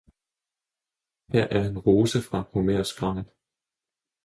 Her er en rose fra Homers grav.